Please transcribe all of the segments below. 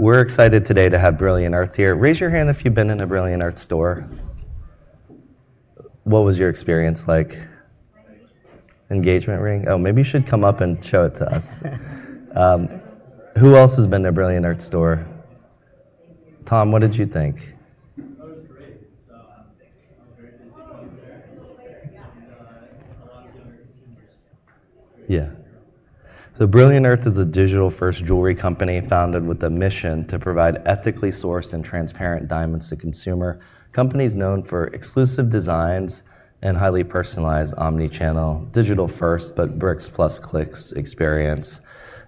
We're excited today to have Brilliant Earth here. Raise your hand if you've been in a Brilliant Earth store. What was your experience like? Engagement ring. Oh, maybe you should come up and show it to us. Who else has been to a Brilliant Earth store? Tom, what did you think? Yeah. So Brilliant Earth is a digital first jewelry company founded with a mission to provide ethically sourced and transparent diamonds to consumer companies known for exclusive designs and highly personalized omnichannel. Digital first but bricks plus clicks experience.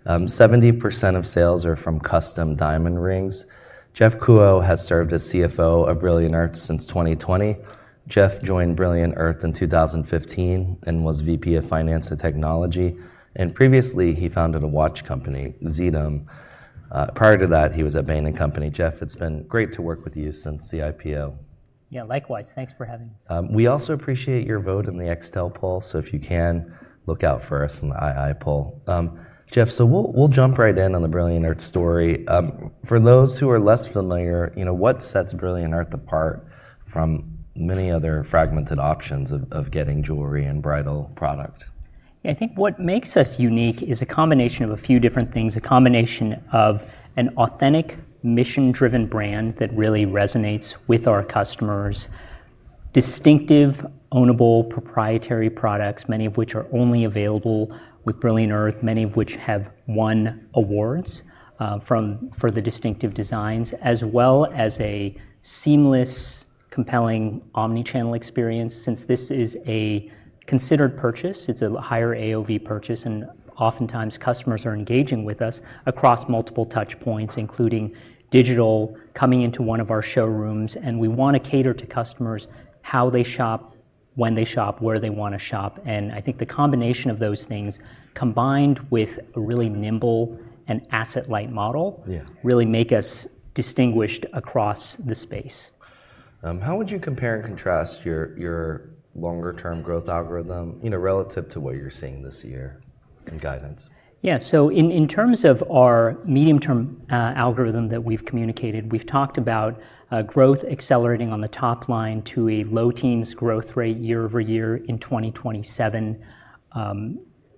70% of sales are from custom diamond rings. Jeff Kuo has served as CFO of Brilliant Earth since 2020. Jeff joined Brilliant Earth in 2015 and was VP of Finance and Technology and previously he founded a watch company, Xetum. Prior to that he was at Bain & Company. Jeff, it's been great to work with you since the IPO. Yeah, likewise. Thanks for having us. We also appreciate your vote in the Extel poll, so if you can look out for us in the II poll. Jeff, we will jump right in on the Brilliant Earth story. For those who are less familiar, what sets Brilliant Earth apart from many other fragmented options of getting jewelry and bridal product? I think what makes us unique is a combination of a few different things. A combination of an authentic mission driven brand that really resonates with our customers. Distinctive, ownable proprietary products, many of which are only available with Brilliant Earth, many of which have won awards for the distinctive designs as well as a seamless, compelling omnichannel experience. Since this is a considered purchase, it's a higher AOV purchase and oftentimes customers are engaging with us across multiple touch points, including digital coming into one of our showrooms and we want to cater to customers how they shop, when they shop, where they want to shop. I think the combination of those things combined with a really nimble and asset light model really make us distinguished across the space. How would you compare and contrast your longer term growth algorithm relative to what you're seeing this year in guidance? Yeah, so in terms of our medium term algorithm that we've communicated, we've talked about growth accelerating on the top line to a low teens growth rate year over year in 2027,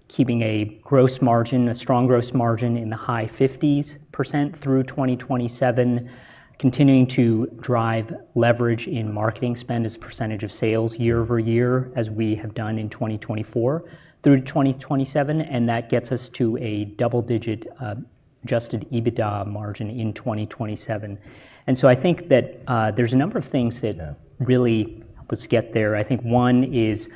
keeping a gross margin, a strong gross margin in the high 50s percent through 2027, continuing to drive leverage in marketing spend as a percentage of sales year over year as we have done in 2024 through 2027. That gets us to a double digit adjusted EBITDA margin in 2027. I think that there's a number of things that really help us get there. I think one is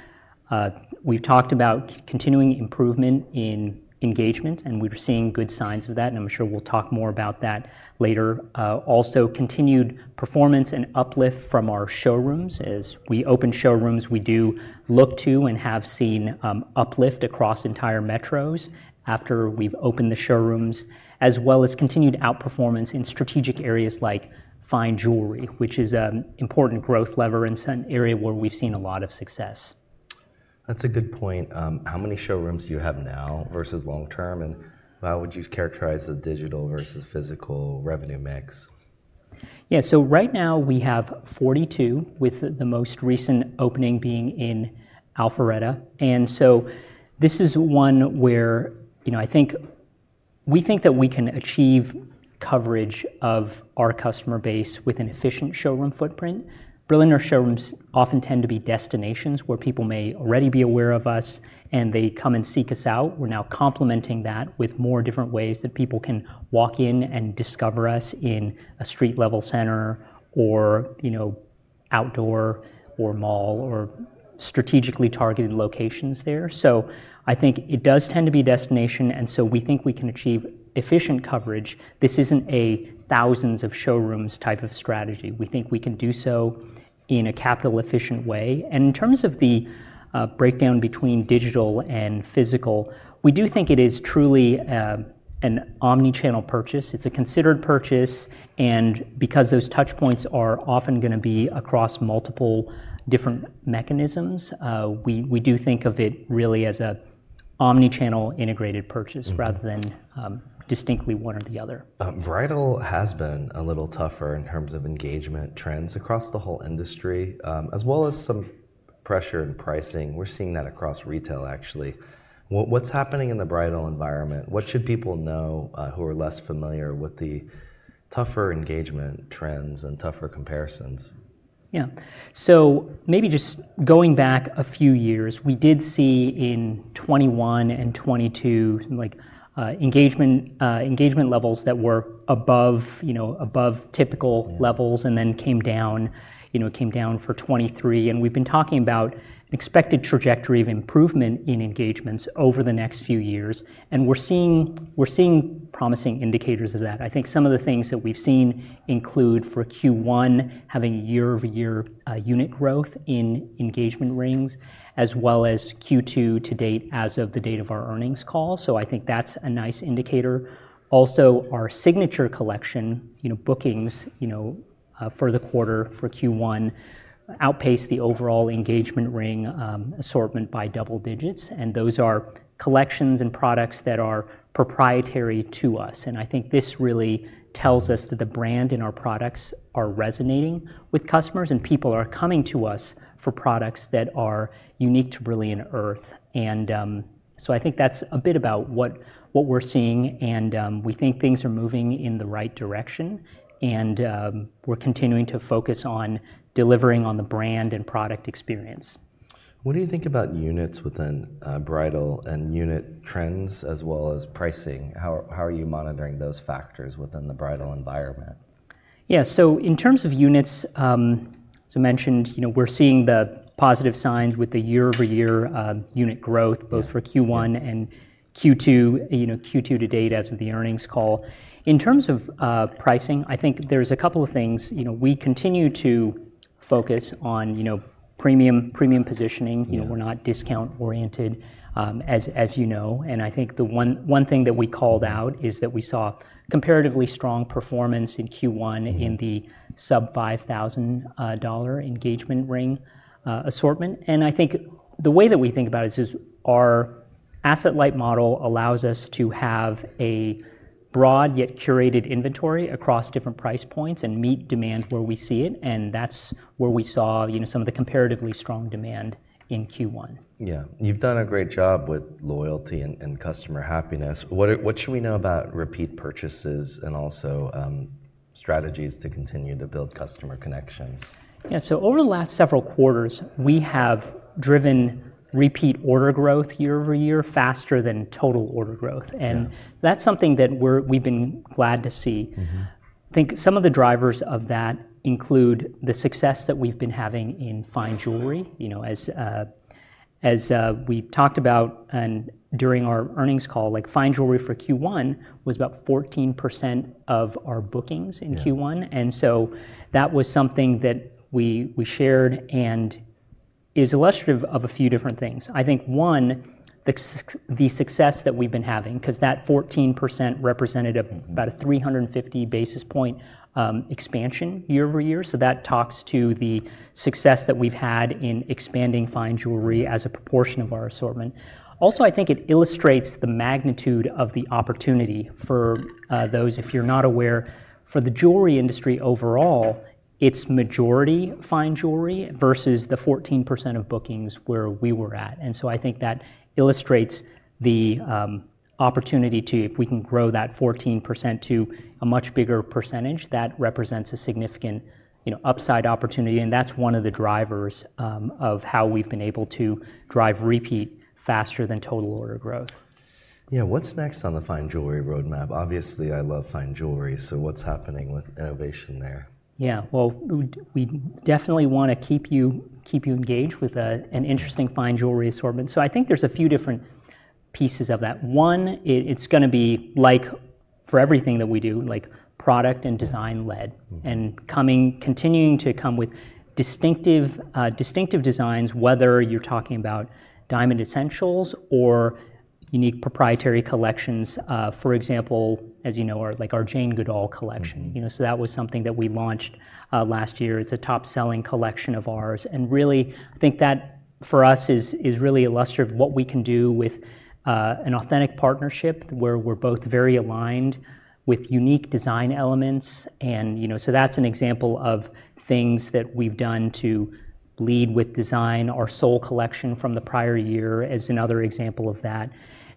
we've talked about continuing improvement in engagement and we're seeing good signs of that and I'm sure we'll talk more about that later. Also, continued performance and uplift from our showrooms. As we open showrooms, we do look to and have seen uplift across entire metros after we've opened the showrooms, as well as continued outperformance in strategic areas like fine jewelry, which is an important growth lever in an area where we've seen a lot of success. That's a good point. How many showrooms do you have now versus long term? How would you characterize the digital versus physical revenue mix? Yeah, so right now we have 42, with the most recent opening being in Alpharetta. This is one where we think that we can achieve coverage of our customer base with an efficient showroom footprint. Brilliant Earth showrooms often tend to be destinations where people may already be aware of us and they come and seek us out. We're now complementing that with more different ways that people can walk in and discover us in a street level center or outdoor or mall or strategically targeted locations there. I think it does tend to be a destination. We think we can achieve efficient coverage. This isn't a thousand thousands of showrooms type of strategy. We think we can do so in a capital efficient way. In terms of the breakdown between digital and physical, we do think it is truly an omnichannel purchase. It's a considered purchase. Because those touch points are often going to be across multiple different mechanisms, we do think of it really as an omnichannel integrated purchase rather than distinctly one or the other. Bridal has been a little tougher in terms of engagement trends across the whole industry, as well as some pressure in pricing. We're seeing that across retail. Actually, what's happening in the bridal environment? What should people know who are less familiar with the tougher engagement trends and tougher comparisons? Yeah. Maybe just going back a few years, we did see in 2021 and 2022 engagement levels that were above typical levels and then came down for 2023. We've been talking about an expected trajectory of improvement in engagements over the next few years and we're seeing promising indicators of that. I think some of the things that we've seen include for Q1, having year-over-year unit growth in engagement rings as well as Q2 to date as of the date of our earnings call. I think that's a nice indicator. Also, our signature collection bookings for the quarter for Q1 outpaced the overall engagement ring assortment by double digits. Those are collections and products that are proprietary to us. I think this really tells us that the brand and our products are resonating with customers and people are coming to us for products that are unique to Brilliant Earth. I think that's a bit about what we're seeing and we think things are moving in the right direction and we're continuing to focus on delivering on the brand and product experience. What do you think about units within bridal and unit trends as well as pricing? How are you monitoring those factors within the bridal environment? Yeah, so in terms of units, as I mentioned, we're seeing the positive signs with the year-over-year unit growth both for Q1 and Q2. You know, Q2 to date as of the earnings call. In terms of pricing, I think there's a couple of things, you know, we continue to focus on, you know, premium, premium positioning. You know, we're not discount oriented as you know. I think the one thing that we called out is that we saw comparatively strong performance in Q1 in the sub-$5,000 engagement ring assortment. I think the way that we think about it is our asset light model allows us to have a broad yet curated inventory across different price points and meet demand where we see it. That's where we saw some of the comparatively strong demand in Q1. Yeah, you've done a great job with loyalty and customer happiness. What should we know about repeat purchases and also strategies to continue to build customer connections? Over the last several quarters, we have driven repeat order growth year-over-year faster than total order growth. That is something that we've been glad to see. I think some of the drivers of that include the success that we've been having in fine jewelry, you know, as we talked about and during our earnings call like fine jewelry for Q1 was about 14% of our bookings in Q1. That was something that we shared and is illustrative of a few different things. I think one, the success that we've been having because that 14% represented about a 350 basis point expansion year-over-year. That talks to the success that we've had in expanding fine jewelry as a proportion of our assortment. Also I think it illustrates the magnitude of the opportunity for those, if you're not aware, for the jewelry industry overall, it's majority fine jewelry versus the 14% of bookings where we were at. I think that illustrates the opportunity to, if we can grow that 14% to a much bigger percentage, that represents a significant upside opportunity. That's one of the drivers of how we've been able to drive repeat faster than total order growth. Yeah. What's next on the fine jewelry roadmap? Obviously I love fine jewelry. So what's happening with innovation there? Yeah, we definitely want to keep you engaged with an interesting fine jewelry assortment. I think there's a few different pieces of that. One, it's going to be, like for everything that we do, product and design led and continuing to come with distinctive designs, whether you're talking about Diamond Essentials or unique proprietary collections. For example, as you know, our Jane Goodall Collection, you know, that was something that we launched last year. It's a top selling collection of ours and really I think that for us is really illustrative of what we can do with an authentic partnership where we're both very aligned with unique design elements. You know, that's an example of things that we've done to lead with design. Our Sol Collection from the prior year is another example of that.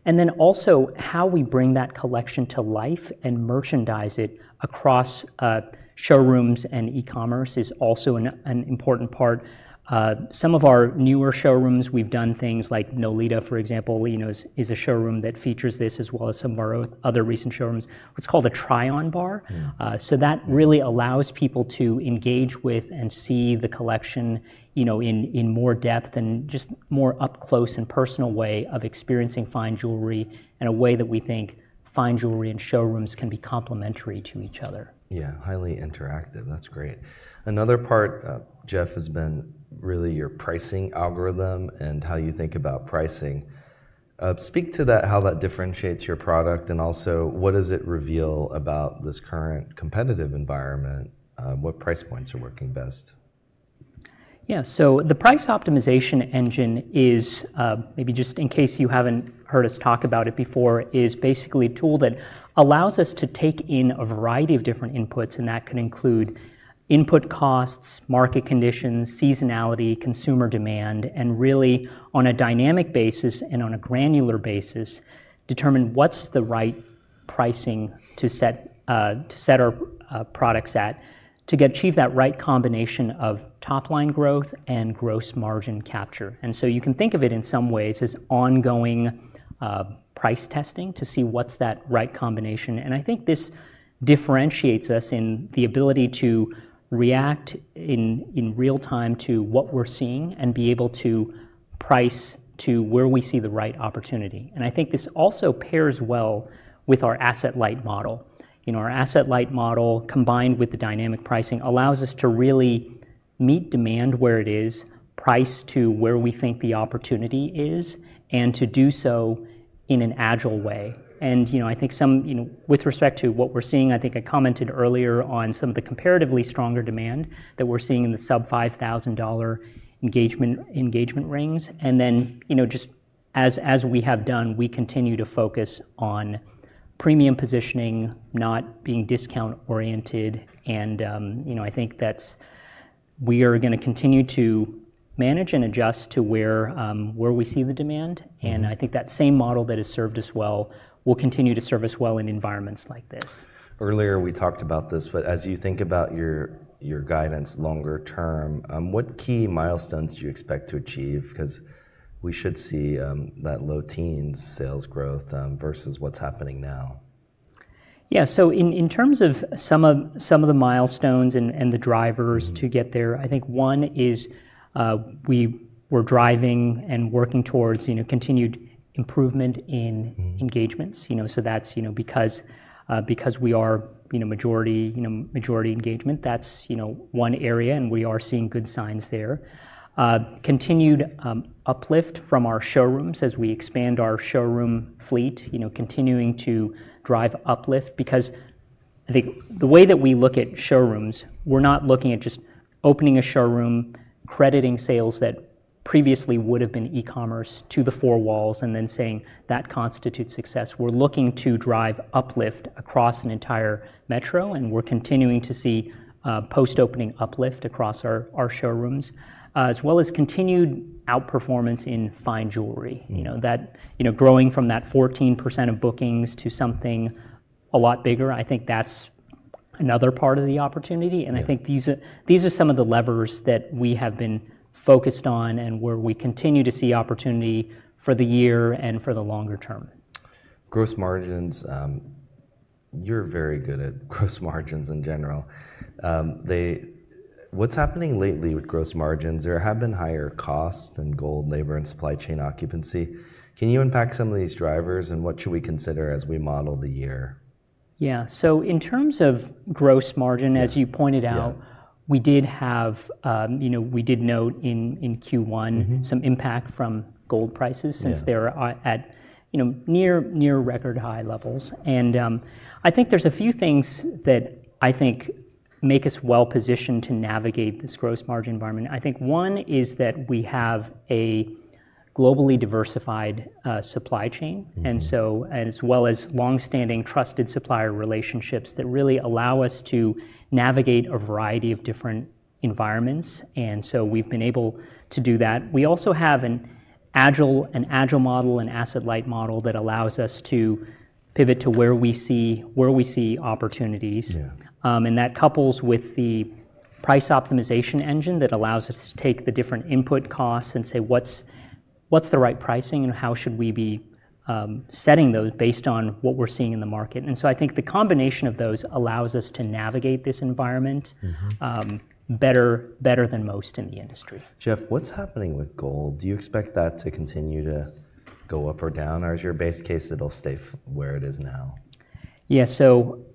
How we bring that collection to life and merchandise it across showrooms and e-commerce is also an important part. Some of our newer showrooms, we've done things like Nolita, for example, is a showroom that features this as well as some of our other recent showrooms. It's called a try-on bar. That really allows people to engage with and see the collection in, you know, in more depth and just more up close and personal way of experiencing fine jewelry in a way that we think fine jewelry and showrooms can be complementary to each other. Yeah, highly interactive. That's great. Another part, Jeff, has been really your pricing algorithm and how you think about pricing. Speak to that, how that differentiates your product and also what does it reveal about this current competitive environment? What price points are working best? Yeah, so the price optimization engine is maybe just in case you haven't heard us talk about it before, is basically a tool that allows us to take in a variety of different inputs and that can include input costs, market conditions, seasonality, consumer demand, and really on a dynamic basis and on a granular basis, determine what's the right pricing to set, to set our products at, to get achieve that right combination of top line growth and gross margin capture. You can think of it in some ways as ongoing price testing to see what's that right combination. I think this differentiates us in the ability to react in real time to what we're seeing and be able to price to where we see the right opportunity. I think this also pairs well with our asset light model. Our asset light model combined with the dynamic pricing allows us to really meet demand where it is, price to where we think the opportunity is, and to do so in an agile way. I think, with respect to what we're seeing, I commented earlier on some of the comparatively stronger demand that we're seeing in the sub-$5,000 engagement rings. You know, just as we have done, we continue to focus on premium positioning, not being discount oriented. You know, I think that's, we are going to continue to manage and adjust to where we see the demand, and I think that same model that has served us well will continue to serve us well in environments like this. Earlier we talked about this. As you think about your guidance longer term, what key milestones do you expect to achieve? We should see that low teens sales growth versus what's happening now. Yeah. In terms of some of the milestones and the drivers to get there, I think one is we were driving and working towards continued improvement in engagements. That's because we are majority engagement. That's one area and we are seeing good signs there. Continued uplift from our showrooms as we expand our showroom fleet. Continuing to drive uplift. Because the way that we look at showrooms, we're not looking at just opening a showroom, crediting sales that previously would have been e-commerce to the four walls and then saying that constitutes success. We're looking to drive uplift across an entire metro. We're continuing to see post opening uplift across our showrooms as well as continued outperformance in fine jewelry. You know, growing from that 14% of bookings to something a lot bigger. I think that's another part of the opportunity and I think these are some of the levers that we have been focused on and where we continue to see opportunity for the year and for the longer term. Gross margins, you're very good at gross margins in general. What's happening lately with gross margins? There have been higher costs in gold, labor, and supply chain occupancy. Can you unpack some of these drivers? And what should we consider as we model the year? Yeah, so in terms of gross margin, as you pointed out, we did have, you know, we did note in Q1 some impact from gold prices since they're at near record high levels. I think there's a few things that I think make us well positioned to navigate this gross margin environment. I think one is that we have a globally diversified supply chain as well as long standing trusted supplier relationships that really allow us to navigate a variety of different environments. We've been able to do that. We also have an agile model and asset light model that allows us to pivot to where we see opportunities. That couples with the price optimization engine that allows us to take the different input costs and say, what's the right pricing and how should we be setting those based on what we're seeing in the market? I think the combination of those allows us to navigate this environment better than most in the industry. Jeff, what's happening with gold? Do you expect that to continue to go up or down or as your base case, it'll stay where it is now? Yeah, so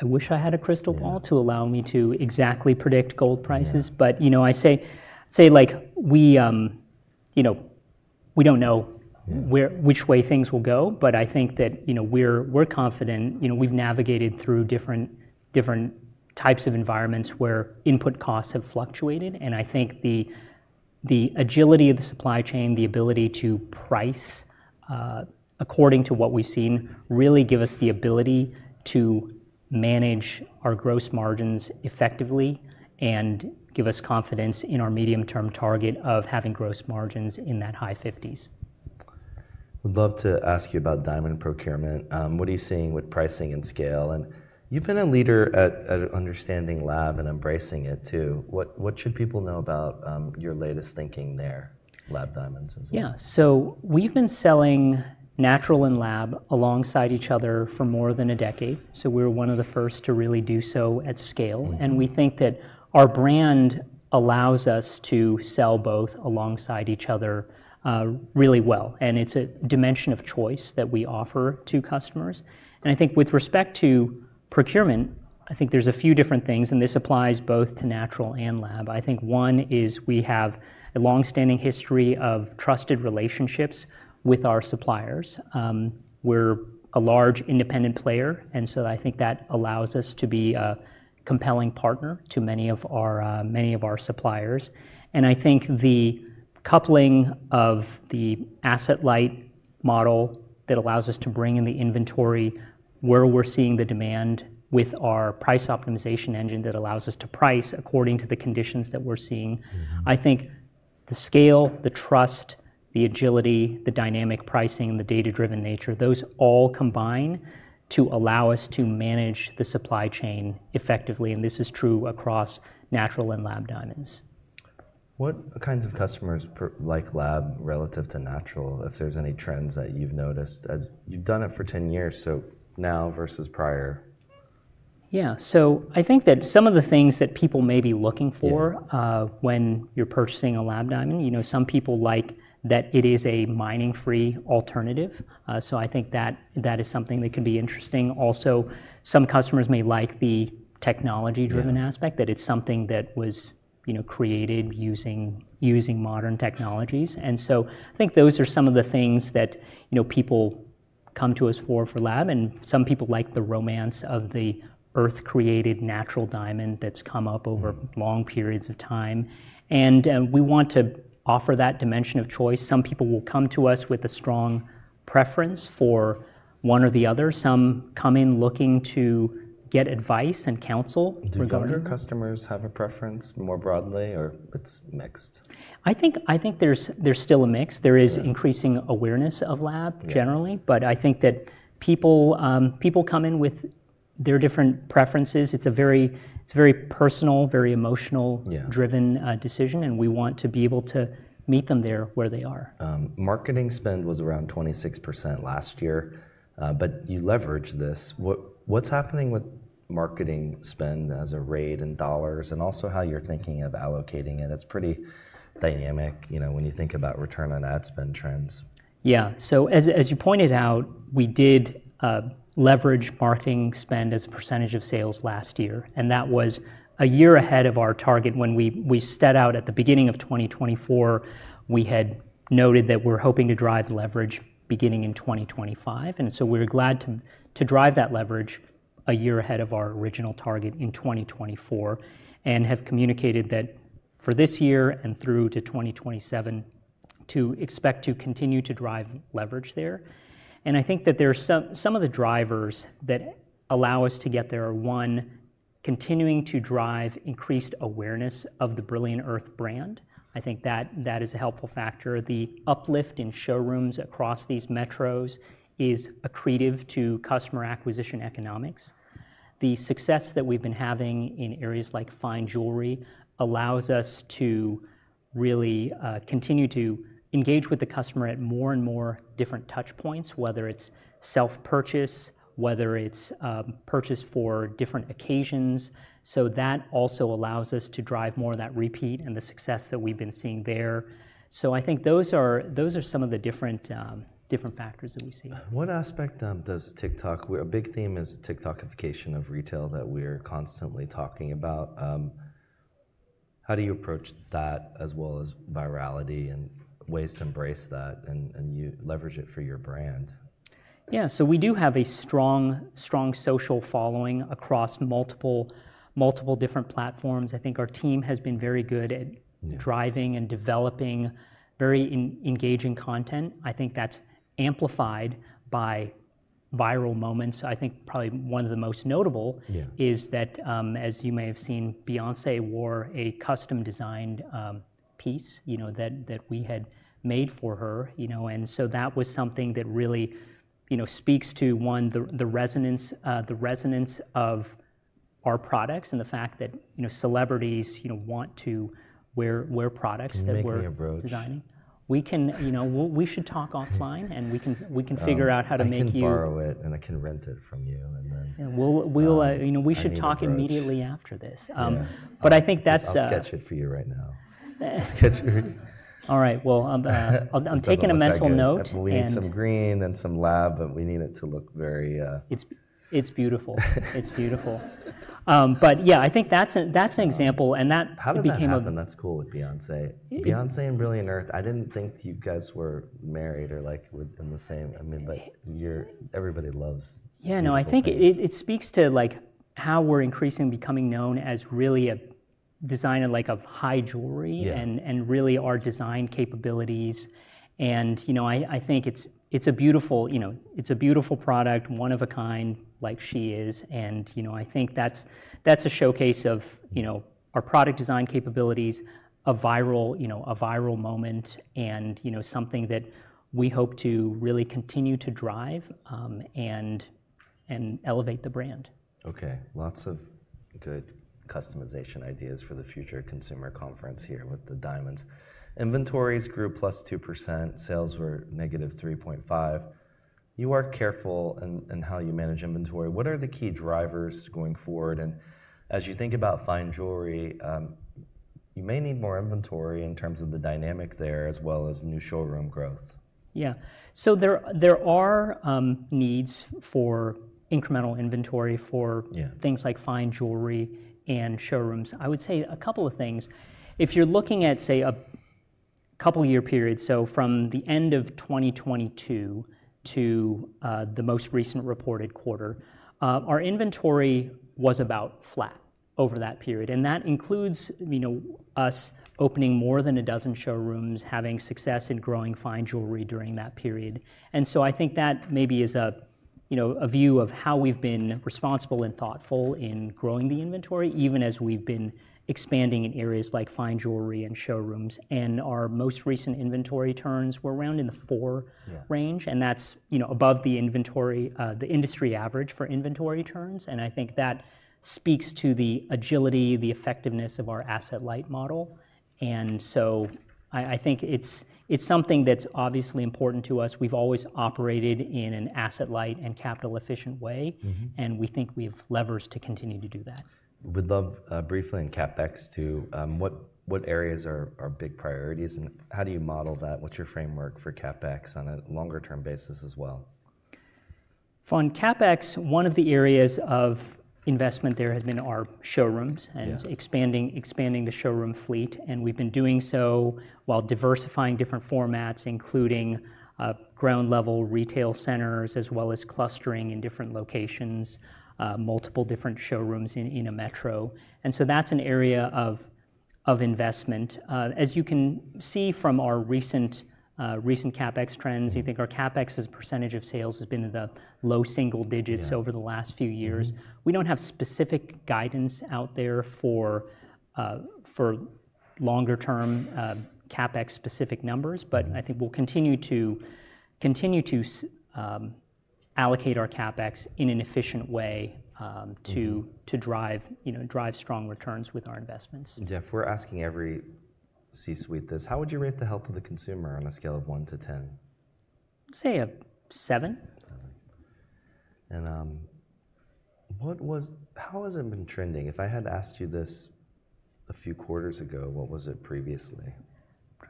I wish I had a crystal ball to allow me to exactly predict gold prices. But you know, I say, like, we, you know, we don't know which way things will go. But I think that, you know, we're confident, you know, we've navigated through different types of environments where input costs have fluctuated. And I think the agility of the supply chain, the ability to price according to what we've seen, really give us the ability to manage our gross margins effectively and give us confidence in our medium term target of having gross margins in that high 50s percent. I'd love to ask you about diamond procurement. What are you seeing with pricing and scale? You've been a leader at understanding lab and embracing it too. What should people know about your latest thinking there? Lab diamonds as well? Yeah, we've been selling natural and lab alongside each other for more than a decade. We were one of the first to really do so at scale. We think that our brand allows us to sell both alongside each other really well. It's a dimension of choice that we offer to customers. I think with respect to procurement, there's a few different things and this applies both to natural and lab. One is we have a long standing history of trusted relationships with our suppliers. We're a large independent player and that allows us to be a compelling partner to many of our suppliers. I think the coupling of the asset light model that allows us to bring in the inventory where we're seeing the demand with our price optimization engine that allows us to price according to the conditions that we're seeing, I think the scale, the trust, the agility, the dynamic pricing, the data driven nature, those all combine to allow us to manage the supply chain effectively. This is true across natural and lab diamonds. What kinds of customers like lab relative to natural? If there's any trends that you've noticed as you've done it for 10 years, so now versus prior? Yeah, so I think that some of the things that people may be looking for when you're purchasing a lab diamond, you know, some people like that it is a mining free alternative. I think that that is something that can be interesting. Also, some customers may like the technology driven aspect, that it's something that was created using modern technologies. I think those are some of the things that people come to us for for lab, and some people like the romance of the earth created natural diamond that's come up over long periods of time, and we want to offer that dimension of choice. Some people will come to us with a strong preference for one or the other. Some come in looking to get advice. Counsel. Regarding do younger customers have a preference more broadly or it's mixed? I think there's still a mix. There is increasing awareness of lab generally, but I think that people come in with their different preferences. It's a very personal, very emotional driven decision and we want to be able to meet them there where they are. Marketing spend was around 26% last year. You leverage this. What's happening with marketing spend as a rate in dollars and also how you're thinking of allocating it. It's pretty dynamic when you think about return on ad spend trends. Yeah. As you pointed out, we did leverage marketing spend as a percentage of sales last year and that was a year ahead of our target. When we set out at the beginning of 2024, we had noted that we're hoping to drive leverage beginning in 2025 and we are glad to drive that leverage a year ahead of our original target in 2024 and have communicated that for this year and through to 2027 to expect to continue to drive leverage there. I think that there are some of the drivers that allow us to get there. One, continuing to drive increased awareness of the Brilliant Earth brand. I think that that is a helpful factor. The uplift in showrooms across these metros is accretive to customer acquisition economics. The success that we've been having in areas like fine jewelry allows us to really continue to engage with the customer at more and more different touch points, whether it's self purchase, whether it's purchased for different occasions. That also allows us to drive more of that repeat and the success that we've been seeing there. I think those are some of the different factors that we see. What aspect does TikTok? A big theme is TikTokification of retail that we are constantly talking about. How do you approach that as well as virality and ways to embrace that and leverage it for your brand? Yeah, so we do have a strong, strong social following across multiple, multiple different platforms. I think our team has been very good at driving and developing very engaging content. I think that's amplified by viral moments. I think probably one of the most notable is that as you may have seen, Beyoncé wore a custom designed piece, you know, that we had made for her, you know, and so that was something that really, you know, speaks to one, the resonance, the resonance of our products and the fact that, you know, celebrities, you know, want to wear products that we're designing. We can, you know, we should talk offline and we can figure out how to make you. I can borrow it and I can rent it from you, and then we'll. You know, we should talk immediately after this. I think that's. I'll sketch it for you right now. All right, I'm taking a mental note. We need some green and some lab, but we need it to look very. It's beautiful. It's beautiful. Yeah, I think that's an example. That became Something that's cool with Beyoncé. Beyoncé and Brilliant Earth. I didn't think you guys were married or like in the same. I mean, but everybody loves. Yeah, no, I think it speaks to like how we're increasingly becoming known as really a designer like of high jewelry and really our design capabilities. And you know, I think it's a beautiful, you know, it's a beautiful product. One of a kind like she is. And you know, I think that's, that's a showcase of, you know, our product design capabilities. A viral, you know, a viral moment and you know, something that we hope to really continue to drive and elevate the brand. Okay, lots of good customization ideas for the future. Consumer conference here. With the diamonds, inventories grew +2%. Sales were -3.5%. You are careful in how you manage inventory. What are the key drivers going forward? As you think about fine jewelry, you may need more inventory in terms of the dynamic there as well as new showroom growth. Yeah. There are needs for incremental inventory for things like fine jewelry and showrooms. I would say a couple of things. If you're looking at, say, a couple year period, from the end of 2022 to the most recent reported quarter, our inventory was about flat over that period. That includes, you know, us opening more than a dozen showrooms, having success in growing fine jewelry during that period. I think that maybe is a view of how we've been responsible and thoughtful in growing the inventory even as we've been expanding in areas like fine jewelry and showrooms. Our most recent inventory turns were around in the four range, and that's above the industry average for inventory turns. I think that speaks to the agility, the effectiveness of our asset light model. I think it's something that's obviously important to us. We've always operated in an asset light and capital efficient way and we think we have levers to continue to do that. We'd love briefly in CapEx too. What areas are big priorities and how do you model that? What's your framework for CapEx on a longer term basis as well? On CapEx, one of the areas of investment there has been our showrooms and expanding the showroom fleet. We've been doing so while diversifying different formats, including ground level retail centers as well as clustering in different locations, multiple different showrooms in a metro. That's an area of investment, as you can see from our recent CapEx trends. You think our CapEx as a percentage of sales has been in the low single digits over the last few years. We don't have specific guidance out there for longer term CapEx specific numbers. I think we'll continue to allocate our CapEx in an efficient way to drive strong returns with our investments. Jeff, we're asking every C-suite this. How would you rate the health of the consumer on a scale of one. To 10? Say a seven? What was, how has it been trending? If I had asked you this a few quarters ago, what was it previously?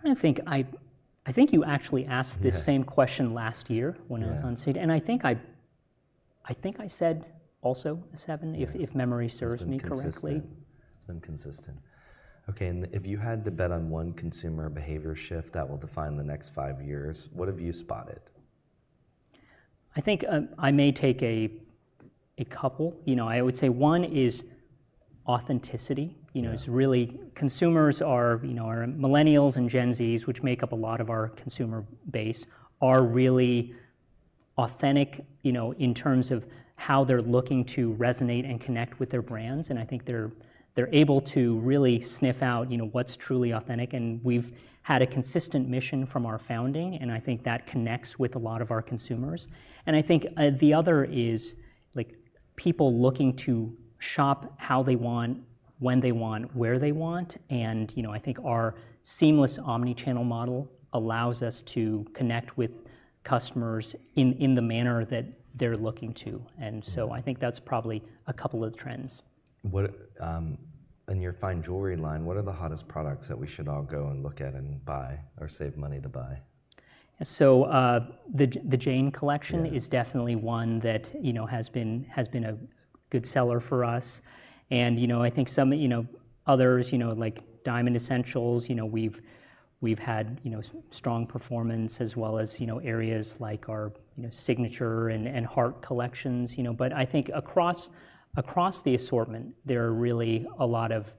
I think you actually asked this same question last year when I was on stage, and I think I said also a seven. If memory serves me correctly, it's been consistent. Okay. If you had to bet on one consumer behavior shift that will define the next five years, what have you spotted? I think I may take a couple. You know, I would say one is authenticity. You know, it's really consumers are, you know, millennials and Gen Zs, which make up a lot of our consumer base, are really authentic in terms of how they're looking to resonate and connect with their brands. I think they're able to really sniff out what's truly authentic. We've had a consistent mission from our founding, and I think that connects with a lot of our consumers. I think the other is people looking to shop how they want, when they want, where they want. I think our seamless omnichannel model allows us to connect with customers in the manner that they're looking to. I think that's probably a. Couple of trends. In your fine jewelry line. What are the hottest products that we should all go and look at and buy or save money to buy? The Jane Collection is definitely one that has been a good seller for us. I think some others like Diamond Essentials, we've had strong performance as well as areas like our, you know, Signature and Heart Collections, you know, but I think across the assortment, there are really a lot of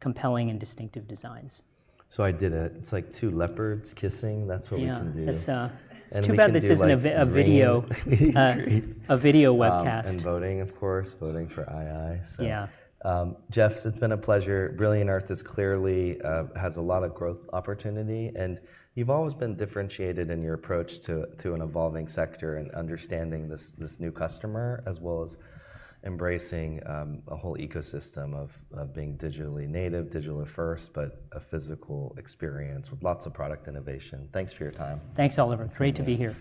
compelling and distinctive designs. I did it. It's like two leopards kissing. That's what we can do. It's too bad this isn't a video. A video webcast. Voting, of course. Voting for II. Jeff, it's been a pleasure. Brilliant Earth clearly has a lot of growth opportunity, and you've always been differentiated in your approach to an evolving sector and understanding this new customer as well as embracing a whole ecosystem of being digitally native. Digital first, but a physical experience with lots of product innovation. Thanks for your time. Thanks, Oliver. Great to be here.